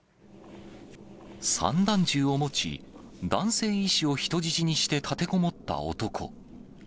散弾銃を持ち、男性医師を人質にして立てこもった男。